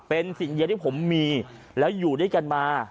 เป็นสิ่งเดียวที่ผมมีแล้วอยู่ด้วยกันมา